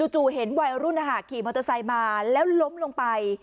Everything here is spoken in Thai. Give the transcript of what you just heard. จู่เห็นวัยรุ่นขี่มอเตอร์ไซค์มาแล้วล้มลงไป